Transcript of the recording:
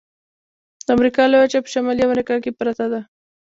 د امریکا لویه وچه په شمالي امریکا کې پرته ده.